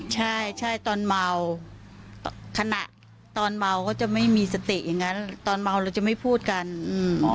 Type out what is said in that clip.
ใช่ใช่ตอนเมาขณะตอนเมาก็จะไม่มีสติอย่างงั้นตอนเมาเราจะไม่พูดกันอืม